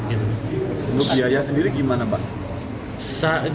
untuk biaya sendiri gimana pak